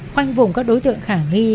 khoanh vùng các đối tượng khả nghi